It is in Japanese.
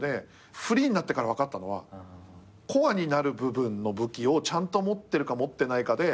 フリーになってから分かったのはコアになる部分の武器をちゃんと持ってるか持ってないかで。